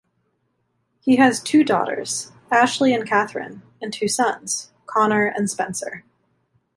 He has two daughters, Ashleigh and Kathryn and two sons, Connor and Spencer.